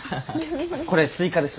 これスイカです。